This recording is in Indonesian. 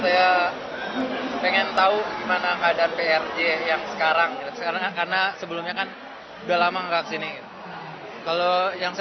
dari transfer antarekening setor dan tarik tunai hingga tarik tunai tanpa kartu atau pembayaran di booth bank dki maupun transaksi di berbagai area